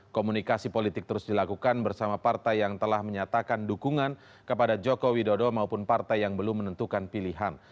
komunikasi politik terus dilakukan bersama partai yang telah menyatakan dukungan kepada jokowi dodo maupun partai yang belum menentukan pilihan